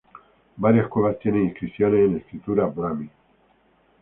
Varias cuevas tienen inscripciones en escritura brahmi.